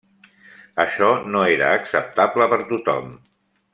Això no era acceptable per tothom.